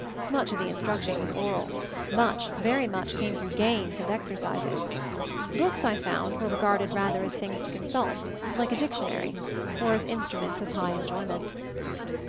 Much of the instruction was ; oral — much, very much, came through games and exercises; books, I found, were re garded rather as things to consult, like a dictionary, or as instruments of high en joyment.